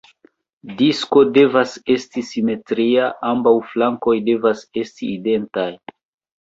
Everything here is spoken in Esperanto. Disko devas esti simetria; ambaŭ flankoj devas esti identaj.